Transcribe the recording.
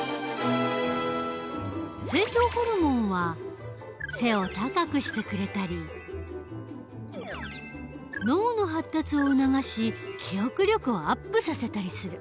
成長ホルモンは背を高くしてくれたり脳の発達を促し記憶力をアップさせたりする。